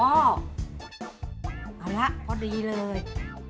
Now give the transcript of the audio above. เอาละพอดีเลย